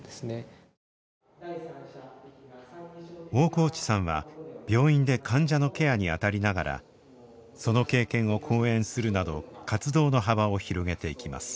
大河内さんは病院で患者のケアに当たりながらその経験を講演するなど活動の幅を広げていきます。